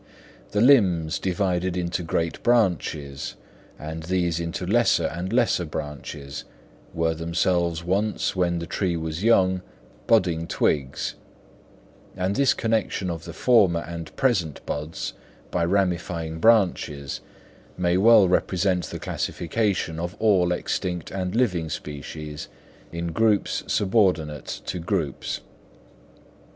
The limbs divided into great branches, and these into lesser and lesser branches, were themselves once, when the tree was young, budding twigs; and this connexion of the former and present buds by ramifying branches may well represent the classification of all extinct and living species in groups subordinate to groups.